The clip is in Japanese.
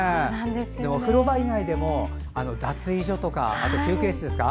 お風呂場以外でも脱衣所とかあと休憩室ですか。